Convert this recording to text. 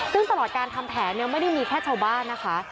ซึ่งตลอดการทำแผนเนี่ยไม่ได้มีแค่ชาวบ้านนะคะ